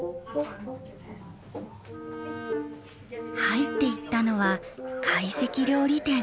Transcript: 入っていったのは会席料理店。